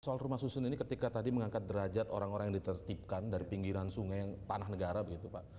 soal rumah susun ini ketika tadi mengangkat derajat orang orang yang ditertipkan dari pinggiran sungai tanah negara begitu pak